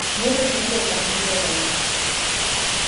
Señor presidente do Parlamento de Galicia.